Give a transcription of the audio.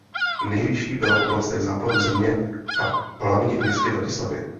Nejvyšší byla v oblastech západu země a v hlavním městě Bratislavě.